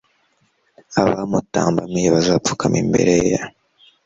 Abamutambamiye bazapfukama imbere ye